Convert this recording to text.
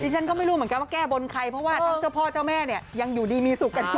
ฉันก็ไม่รู้แบบว่าแก้บลใครเพราะว่าเจ้าพ่อเจ้าแม่ยังอยู่ดีมีสุขกันเหรอ